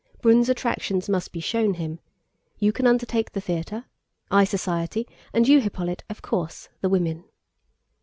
Brünn's attractions must be shown him. You can undertake the theater, I society, and you, Hippolyte, of course the women."